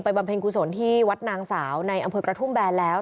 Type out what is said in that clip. บำเพ็ญกุศลที่วัดนางสาวในอำเภอกระทุ่มแบนแล้ว